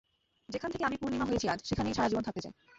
যেখান থেকে আমি পূর্ণিমা হয়েছি আজ, সেখানেই সারা জীবন থাকতে চাই।